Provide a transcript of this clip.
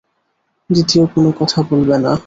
দ্বিতীয় কোনো কথা বলবে না।